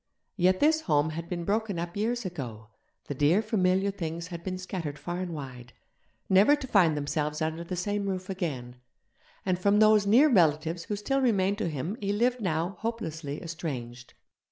Yet this home had been broken up years ago, the dear familiar things had been scattered far and wide, never to find themselves under the same roof again; and from those near relatives who still remained to him he lived now hopelessly estranged.